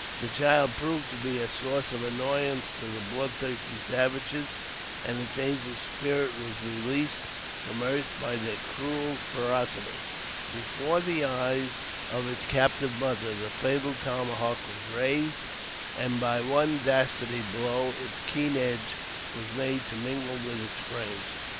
The child proved to be a source of annoyance to the blood thirsty savages, and its angel spirit was released from earth by their cruel ferocity. Before the eyes of its captive mother the fatal tomahawk was raised, and by one dastard blow its keen edge was made to mingle with its brains.